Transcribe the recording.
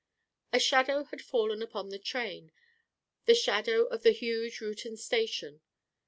A shadow had fallen upon the train the shadow of the huge Reuton station.